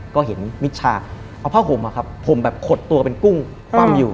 ก็เห็นมิชชาเอาเพราะผมอะครับผมแบบขดตัวเป็นกุ้งปั๊มอยู่